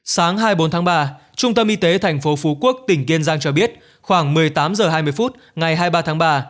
sáng hai mươi bốn tháng ba trung tâm y tế tp phú quốc tỉnh kiên giang cho biết khoảng một mươi tám h hai mươi phút ngày hai mươi ba tháng ba